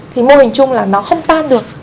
thì mô hình chung là nó không tan được